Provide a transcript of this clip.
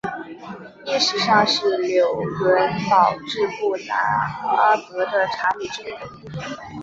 历史上是纽伦堡至布拉格的查理之路的一部份。